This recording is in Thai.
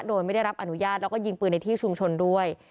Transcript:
โดยไม่ได้รับอนุญาตแล้วก็ยิงปืนในที่ชุมชนด้วย